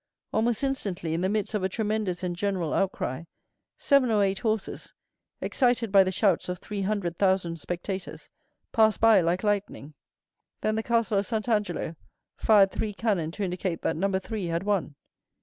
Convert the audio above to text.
Almost instantly, in the midst of a tremendous and general outcry, seven or eight horses, excited by the shouts of three hundred thousand spectators, passed by like lightning. Then the Castle of Saint Angelo fired three cannon to indicate that number three had won.